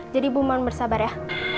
jadi bu mau bersabar ya